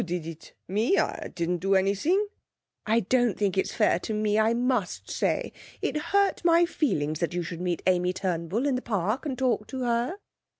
'Who did it? Me? I didn't do anything.' 'I don't think it's fair to me, I must say; it hurt my feelings that you should meet Amy Turnbull in the park and talk to her.'